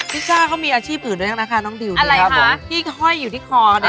พริซ่าเขามีอาชีพอื่นด้วยนะคะน้องห่อยอยู่ที่คลอด